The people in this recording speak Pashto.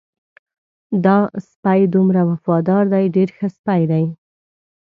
دا سپی دومره وفادار دی ډېر ښه سپی دی.